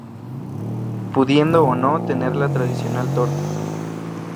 Pudiendo o no tener la tradicional torta.